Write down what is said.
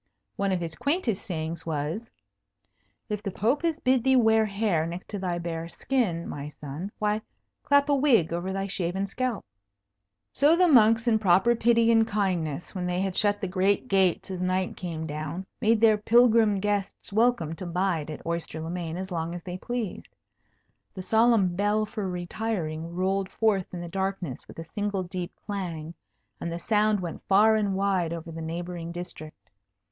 One of his quaintest sayings was, "If the Pope has bid thee wear hair next thy bare skin, my son, why, clap a wig over thy shaven scalp." So the monks in proper pity and kindness, when they had shut the great gates as night came down, made their pilgrim guests welcome to bide at Oyster le Main as long as they pleased. The solemn bell for retiring rolled forth in the darkness with a single deep clang, and the sound went far and wide over the neighbouring district.